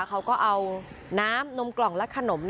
เขาก็เอาน้ำนมกล่องและขนม